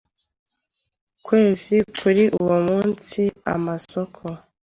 kwezi kuri uwo munsi amasoko